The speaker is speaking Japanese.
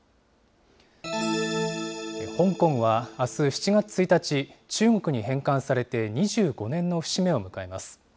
香港はあす７月１日、中国に返還されて２５年の節目を迎えます。